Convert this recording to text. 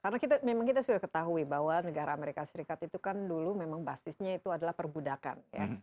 karena memang kita sudah ketahui bahwa negara amerika serikat itu kan dulu memang basisnya itu adalah perbudakan